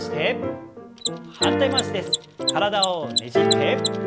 体をねじって。